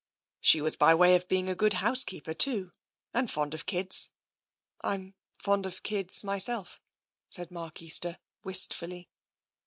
She was by way of being a 24 TENSION good housekeeper, too, and fond of kids. I'm fond of kids myself, said Mark Easter wistfully.